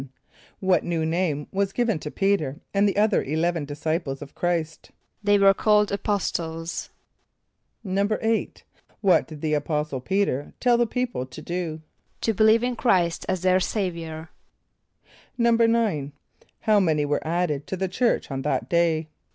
= =7.= What new name was given to P[=e]´t[~e]r and the other eleven disciples of Chr[=i]st? =They were called apostles.= =8.= What did the apostle P[=e]´t[~e]r tell the people to do? =To believe in Chr[=i]st as their Saviour.= =9.= How many were added to the church on that day?